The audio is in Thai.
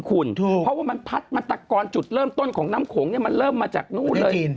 เพราะว่ามันพัดมาตะกอนจุดเริ่มต้นของน้ำโขงเนี่ยมันเริ่มมาจากนู่นเลย